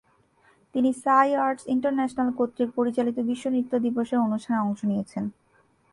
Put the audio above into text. তিনি Sai arts international কর্তৃক পরিচালিত বিশ্ব নৃত্য দিবসের অনুষ্ঠানে অংশ নিয়েছেন।